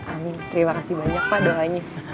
amin terima kasih banyak pak doanya